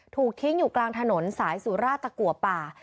ถูกทิ้งอยู่กลางถนนสายสุราชตะกัวป่า